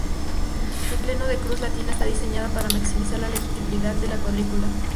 El plano de cruz latina está diseñada para maximizar la legibilidad de la cuadrícula.